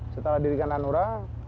setelah dirikan hanura